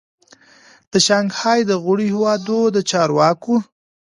د شانګهای د غړیو هیوادو د چارواکو